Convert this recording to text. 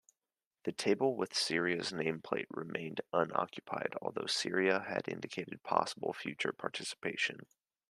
The table with Syria's nameplate remained unoccupied, although Syria had indicated possible future participation.